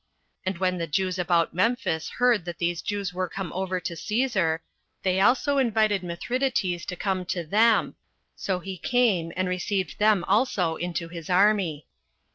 And when the Jews about Memphis heard that these Jews were come over to Cæsar, they also invited Mithridates to come to them; so he came and received them also into his army.